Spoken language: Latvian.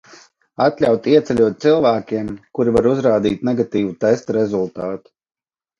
Atļaut ieceļot cilvēkiem, kuri var uzrādīt negatīvu testa rezultātu?